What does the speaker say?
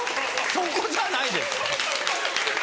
そこじゃないです。